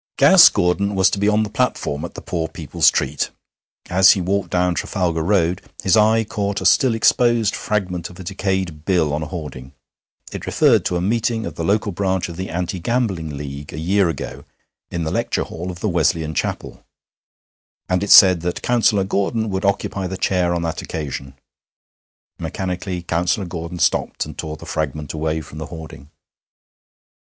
IV Gas Gordon was to be on the platform at the poor people's treat. As he walked down Trafalgar Road his eye caught a still exposed fragment of a decayed bill on a hoarding. It referred to a meeting of the local branch of the Anti Gambling League a year ago in the lecture hall of the Wesleyan Chapel, and it said that Councillor Gordon would occupy the chair on that occasion. Mechanically Councillor Gordon stopped and tore the fragment away from the hoarding.